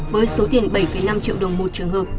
với số tiền bảy năm triệu đồng một trường hợp